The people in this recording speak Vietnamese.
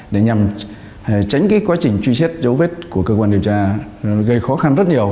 để nhằm tránh cái quá trình truy xét dấu vết của cơ quan điều tra gây khó khăn rất nhiều